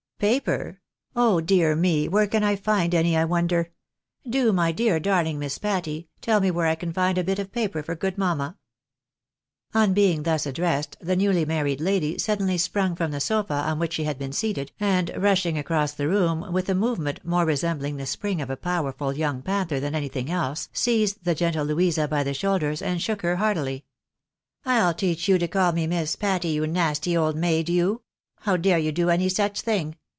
"" Paper ? Oh, dear me, where can I find any, I wonder ? Do, my dear darling Miss Patty, tell me where I can find a bit of paper for good mamma ?" On being thus addressed, the newly married lady suddenly sprung from the sofa on which she had been seated, and rushing across the room with a movement more resembling the spring of a powerful young panther than anything else, seized the gentle Jjouisa by the shoulders, and shook her heartily. " I'll teach you to call me Miss Patty, you nasty old maid, you ! How dare you do any such thing